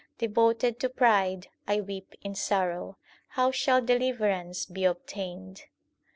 Devoted to pride, I weep in sorrow ; How shall deliverance be obtained